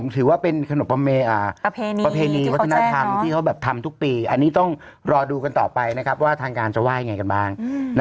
ถือว่าเป็นขนมประเพณีวัฒนธรรมที่เขาแบบทำทุกปีอันนี้ต้องรอดูกันต่อไปนะครับว่าทางการจะว่ายังไงกันบ้าง